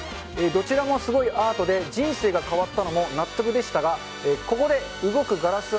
どちらもすごいアートで、人生が変わったのも納得できたら、ここで動くガラス